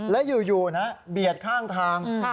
และอยู่นะเบียดข้างทาง